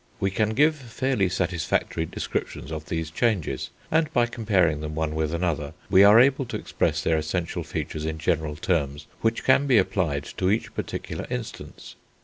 We can give fairly satisfactory descriptions of these changes; and, by comparing them one with another, we are able to express their essential features in general terms which can be applied to each particular instance.